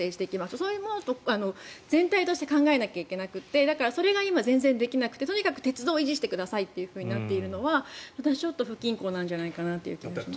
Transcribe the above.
そういう全体で考えないといけなくてだから、それが今全然できなくてとにかく鉄道を維持してくださいとなっているのは私はちょっと不均衡なんじゃないかなという気がします。